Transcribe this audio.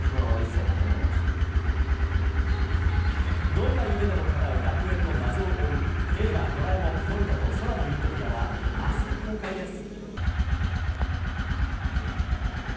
どんな夢でもかなう楽園の謎を追う「映画ドラえもんのび太と空の理想郷」は明日公開です。